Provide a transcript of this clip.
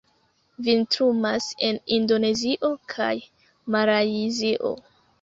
Vintrumas en Indonezio kaj Malajzio.